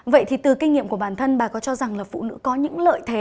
vậy thì từ kinh nghiệm của bản thân bà có cho rằng là phụ nữ có những lợi thế